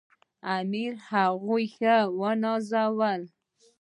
امیر هغوی ښه ونازول.